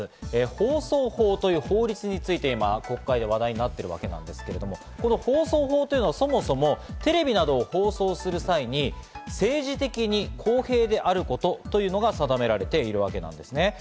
放送法という法律について今、国会で話題になっているんですけれども、その放送法というのは、そもそもテレビなどを放送する際に政治的に公平であることが定められているわけなんですね。